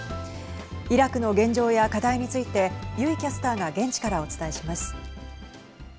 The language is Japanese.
イラクの現状や課題について油井キャスターが現地からお伝えします。